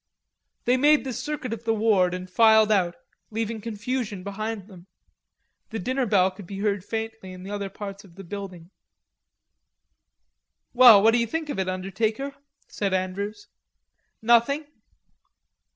They made the circuit of the ward and filed out, leaving confusion behind them. The dinner bell could be heard faintly in the other parts of the building. "Well, what d'you think of it, undertaker?" said Andrews. "Nothing."